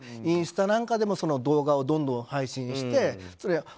インスタなんかでも動画をどんどん配信して。